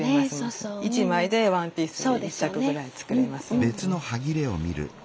１枚でワンピース１着ぐらい作れますのでね。